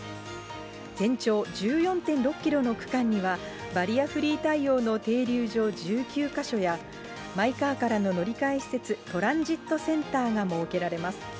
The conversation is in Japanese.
全長１４．６キロの区間には、バリアフリー対応の停留場１９か所や、マイカーからの乗り換え施設、トランジットセンターが設けられます。